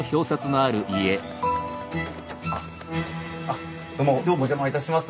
あっどうもお邪魔いたします。